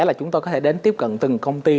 là chúng tôi có thể đến tiếp cận từng công ty